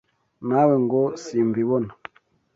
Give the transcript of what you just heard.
Nawe ngo simbibona.